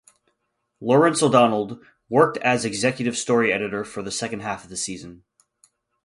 Lawrence O'Donnell worked as executive story editor for the second half of the season.